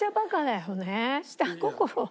下心。